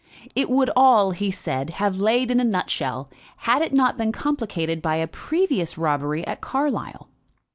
It would all, he said, have laid in a nutshell, had it not been complicated by a previous robbery at Carlisle.